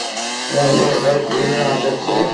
জানি না এটা আসছে না কি যাচ্ছে।